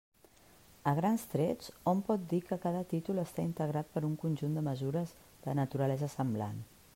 A grans trets, hom pot dir que cada títol està integrat per un conjunt de mesures de naturalesa semblant.